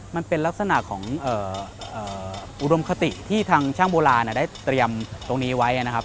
มันเป็นลักษณะของอุดมคติที่ทางช่างโบราณได้เตรียมตรงนี้ไว้นะครับ